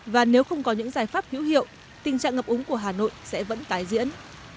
và nếu không có những giải pháp hữu hiệu tình trạng ngập úng của hà nội sẽ vẫn tái diễn